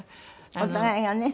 お互いがね